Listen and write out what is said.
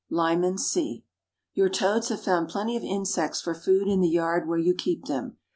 LYMAN C. Your toads have found plenty of insects for food in the yard where you keep them.